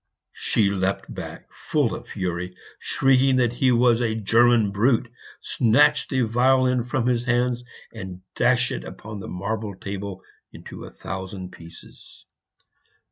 She leapt back full of fury, shrieking that he was a "German brute," snatched the violin from his hands, and dashed it on the marble table into a thousand pieces.